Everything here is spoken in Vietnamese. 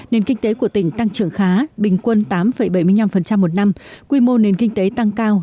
nền kinh tế của tỉnh tăng trưởng khá bình quân tám bảy mươi năm một năm quy mô nền kinh tế tăng cao